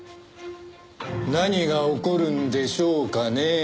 何が起こるんでしょうかね？